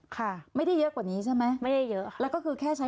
ค่ะไม่ได้เยอะกว่านี้ใช่ไหมไม่ได้เยอะค่ะแล้วก็คือแค่ใช้